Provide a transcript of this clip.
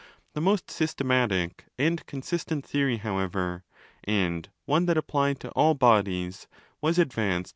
The most systematic and consistent theory, 325° however, and one that applied to all bodies, was advanced 1 i.